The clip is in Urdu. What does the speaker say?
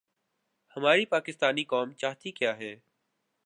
ہماری پاکستانی قوم چاہتی کیا ہے؟